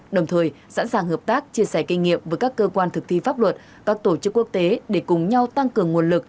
đồng thời sẵn sàng hợp tác chia sẻ kinh nghiệm với các cơ quan thực thi pháp luật các tổ chức quốc tế để cùng nhau tăng cường nguồn lực